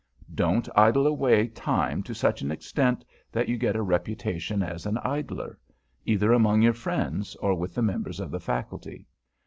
[Sidenote: IDLING] Don't idle away time to such an extent that you get a reputation as an idler, either among your friends, or with the members of the Faculty.